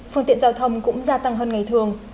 phương tiện giao thông cũng gia tăng hơn ngày thường